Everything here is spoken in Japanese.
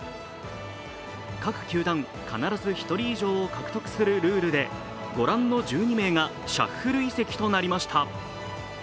各球団必ず１人以上獲得するルールでご覧の１２名がシャッフル移籍となりました。